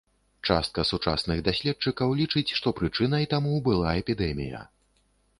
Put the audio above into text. Частка сучасных даследчыкаў лічыць, што прычынай таму была эпідэмія.